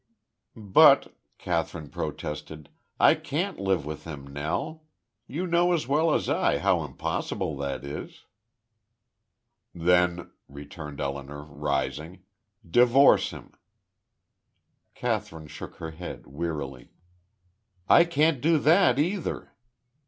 "But," Kathryn protested. "I can't live with him, Nell! You know as well as I how impossible that is." "Then," returned Elinor, rising, "divorce him." Kathryn shook her head, wearily. "I can't do that, either."